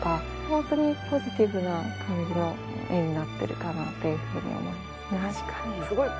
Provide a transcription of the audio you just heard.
本当にポジティブな感じの絵になってるかなというふうに思いますね。